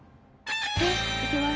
いきます。